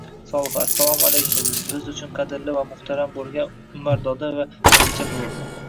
Solixa: Assalomu alaykum biz uchun kadrli va muxtaram bulgan Umar doda va Xadicha buvi..